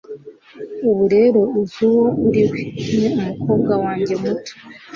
ubu rero uzi uwo ari we, ni umukobwa wanjye muto